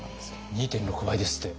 ２．６倍ですって。